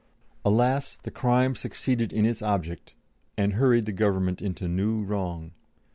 Alas! the crime succeeded in its object, and hurried the Government into new wrong.